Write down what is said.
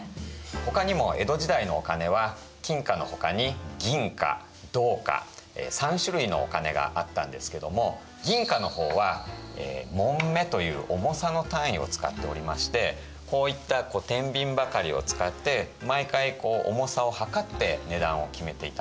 他にも江戸時代のお金は金貨の他に銀貨銅貨３種類のお金があったんですけども銀貨のほうは匁という重さの単位を使っておりましてこういったてんびんばかりを使って毎回重さを量って値段を決めていたんですね。